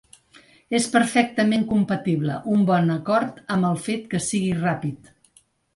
És perfectament compatible un bon acord amb el fet que sigui ràpid.